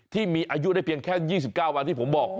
ที่มีอายุได้เพียงแค่๒๙วันที่ผมบอก